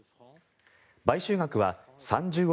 買収額は３０億